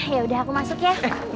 yaudah aku masuk ya